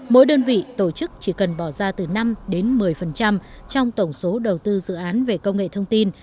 mỗi đơn vị tổ chức chỉ cần bỏ ra từ năm đến một mươi trong tổng số đầu tư dự án về công nghệ thông tin